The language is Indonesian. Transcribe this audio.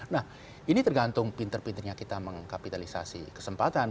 nah ini tergantung pinter pinternya kita mengkapitalisasi kesempatan